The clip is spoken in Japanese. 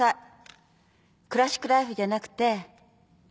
「クラシック・ライフ」じゃなくてうちのＡオケ。